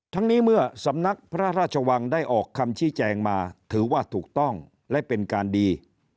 ทั้งนี้เมื่อสำนักพระราชวังได้ออกคำชี้แจงมาถือว่าถูกต้องและเป็นการดี